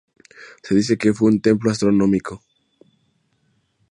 Se dice que fue un templo astronómico.